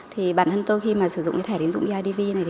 thì bản thân tôi khi sử dụng thẻ tín dụng bidv này